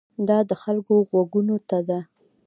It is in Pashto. دا د خلکو غوږونو ته ده.